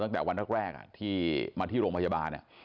ตั้งแต่วันแรกที่มาที่โรงพยาบาล